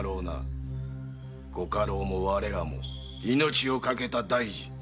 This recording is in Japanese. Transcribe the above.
ご家老も我らも命を懸けた大事。